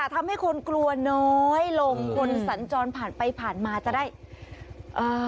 ทำให้คนกลัวน้อยลงคนสัญจรผ่านไปผ่านมาจะได้เอ่อ